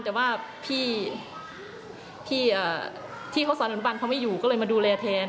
แต่ว่าพี่ที่เขาสอนอนุบันเขาไม่อยู่ก็เลยมาดูแลแทน